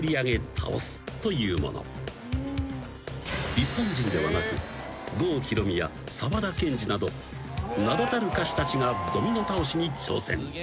［一般人ではなく郷ひろみや沢田研二など名だたる歌手たちがドミノ倒しに挑戦］